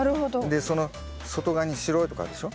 でその外側に白いとこあるでしょ。